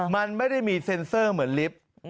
มันไม่ได้มีเซ็นเซอร์เหมือนลิฟต์